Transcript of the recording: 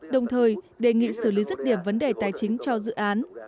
đồng thời đề nghị xử lý rứt điểm vấn đề tài chính cho dự án